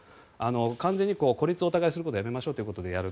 完全に孤立をお互いにすることはやめましょうということでやると。